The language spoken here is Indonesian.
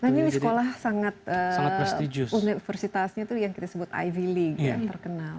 nah ini sekolah sangat universitasnya itu yang kita sebut ivy league yang terkenal